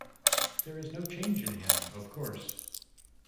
There is no change in him, of course.